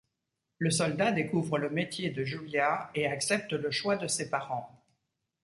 Le soldat découvre le métier de Julia et accepte le choix de ses parents.